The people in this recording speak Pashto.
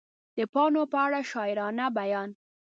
د پاڼو په اړه شاعرانه بیان